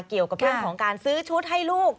เกี่ยวกับเรื่องของการซื้อชุดให้ลูก